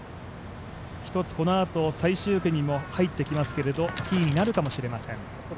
一つこのあと、最終組も入ってきますけれどもキーになるかもしれません。